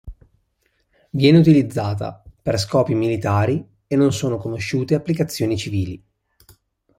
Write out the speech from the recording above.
Viene utilizzata per scopi militari e non sono conosciute applicazioni civili.